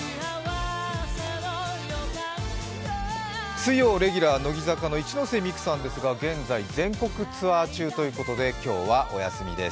水曜レギュラー、乃木坂の一ノ瀬美空さんは現在全国ツアー中ということで、今日はお休みです。